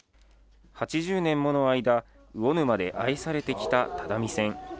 ８０年もの間、魚沼で愛されてきた只見線。